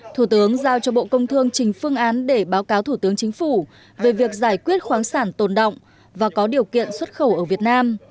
thủ tướng giao cho bộ công thương trình phương án để báo cáo thủ tướng chính phủ về việc giải quyết khoáng sản tồn động và có điều kiện xuất khẩu ở việt nam